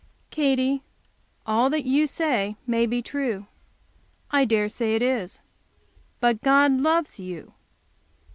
"Katy, all that you say may be true. I dare say it is. But God loves you.